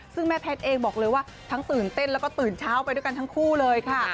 ซึ่งแม่แพทย์เองบอกเลยว่าทั้งตื่นเต้นแล้วก็ตื่นเช้าไปด้วยกันทั้งคู่เลยค่ะ